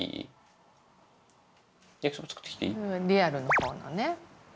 リアルの方のね。